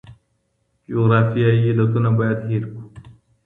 جغرافیایي علتونه باید هیر کړو.